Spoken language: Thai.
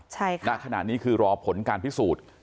น่าขนาดนี้คือรอผลการพิสูจน์